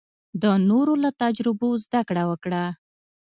د نورو له تجربو زده کړه وکړه.